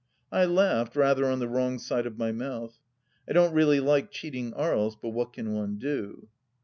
I laughed, rather on the wrong side of my mouth. I don't really like cheating Aries, but what can one do